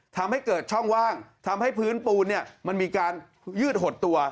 ทำให้เกิดช่องว่างทำให้พื้นปูนมันมีการยืดหดตัว